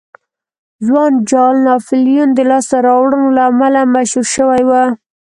ځوان جال ناپلیون د لاسته راوړنو له امله مشهور شوی و.